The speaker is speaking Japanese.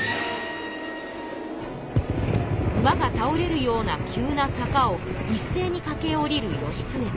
馬が倒れるような急な坂をいっせいにかけ下りる義経たち。